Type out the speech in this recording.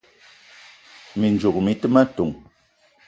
Mi ndzouk mi te ma ton: